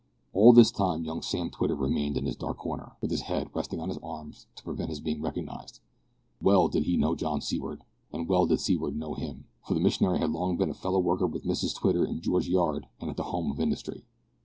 All this time young Sam Twitter remained in his dark corner, with his head resting on his arms to prevent his being recognised. Well did he know John Seaward, and well did Seaward know him, for the missionary had long been a fellow worker with Mrs Twitter in George Yard and at the Home of Industry.